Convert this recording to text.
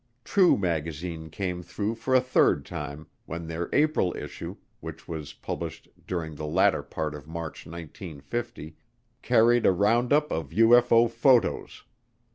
True magazine came through for a third time when their April issue, which was published during the latter part of March 1950, carried a roundup of UFO photos.